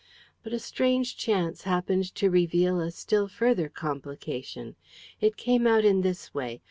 But a strange chance happened to reveal a still further complication. It came out in this way.